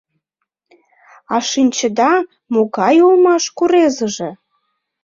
— А шинчеда, могай улмаш курезыже?